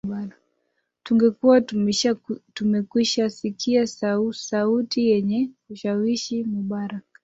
tungekuwa tumekwisha sikia sau sauti yenye kushawishi mubarak